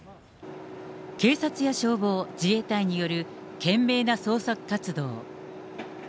警察や消防、自衛隊による懸命な捜索活動。